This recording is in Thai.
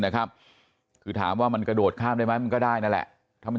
นะครับคือถามว่ามันกระโดดข้ามได้ไหมมันก็ได้นั่นแหละถ้ามัน